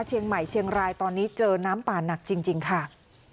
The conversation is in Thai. เชียงใหม่เชียงรายตอนนี้เจอน้ำป่าหนักจริงค่ะ